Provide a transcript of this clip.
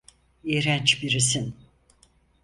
İğrenç birisin.